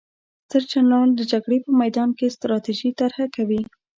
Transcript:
ستر جنرال د جګړې په میدان کې ستراتیژي طرحه کوي.